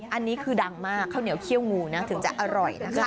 อันนี้คือดังมากข้าวเหนียวเครี่ยวงูถึงจะอร่อย